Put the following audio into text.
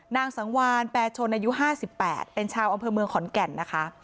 นางสังวานแปรชนอายุ๕๘เป็นชาวอำเภอเมืองขอนแก่นนะคะ